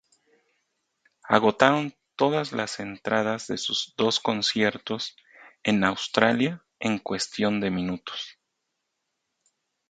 Agotaron todas las entradas de sus dos conciertos en Australia en cuestión de minutos.